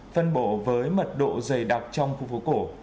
phân bổ với mật độ dày đặc trong khu phố cổ